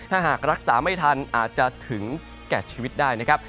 ถ้าหากรักษาไม่ทันอาจจะถึงแก่ชีวิตได้นะครับ